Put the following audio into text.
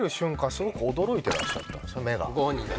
すごく驚いてらっしゃったんです